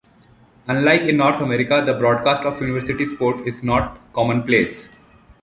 Unlike in North America, the broadcast of university sport is not commonplace.